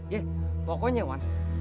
ya pokoknya wan